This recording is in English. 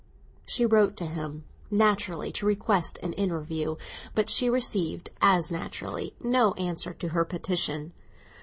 She wrote to him, naturally, to request an interview; but she received, as naturally, no answer to her petition.